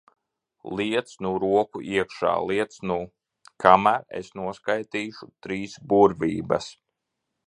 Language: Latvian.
Liec nu roku iekšā, liec nu! Kamēr es noskaitīšu trīs burvības.